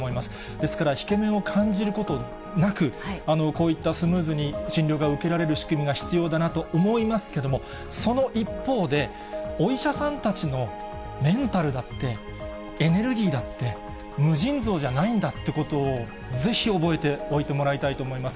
ですから、引け目を感じることなく、こういった、スムーズに診療が受けられる仕組みが必要だなと思いますけれども、その一方で、お医者さんたちのメンタルだって、エネルギーだって、無尽蔵じゃないんだってことを、ぜひ覚えておいてもらいたいと思います。